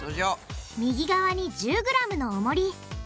右側に１０ｇのおもり。